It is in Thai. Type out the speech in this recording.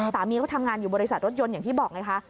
สามีเขาทำงานอยู่บริษัทรถยนต์อย่างที่บอกไงคะ